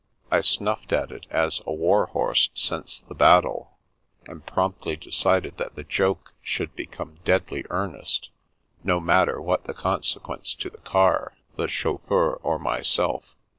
I snuffed at it as a war horse scents the battle, and promptly decided that the joke should become deadly earnest, no matter what the consequence to the car, the chauffeur, or myself.